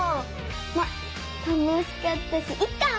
ま楽しかったしいっか。